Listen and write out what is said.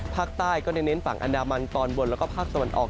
ภาคใต้ก็เน้นฝั่งอันดามันตอนบนแล้วก็ภาคตะวันออก